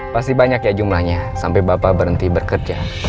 pasti banyak ya jumlahnya sampai bapak berhenti bekerja